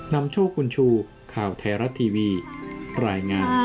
นำโชคบุญชูข่าวไทยรัฐทีวีรายงาน